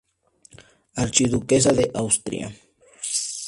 Archiduquesa de Austria.